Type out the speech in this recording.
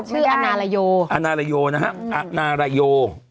บอกวัดชื่ออาณาโลโย